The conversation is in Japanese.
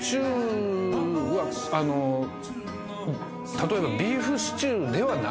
例えば。